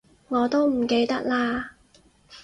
我都唔記得喇